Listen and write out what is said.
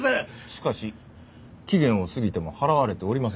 しかし期限を過ぎても払われておりません。